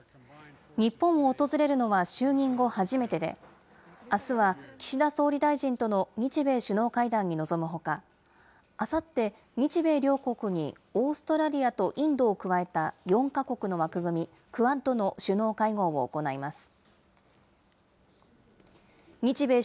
日本を訪れるのは就任後初めてで、あすは岸田総理大臣との日米首脳会談に臨むほか、あさって、日米両国にオーストラリアとインドを加えた４か国の枠組み、クアッドの首脳会合を行います。